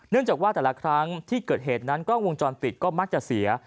จากว่าแต่ละครั้งที่เกิดเหตุนั้นกล้องวงจรปิดก็มักจะเสีย